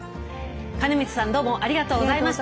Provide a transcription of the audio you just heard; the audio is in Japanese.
金光さんどうもありがとうございました。